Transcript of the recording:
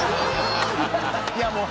いやもう。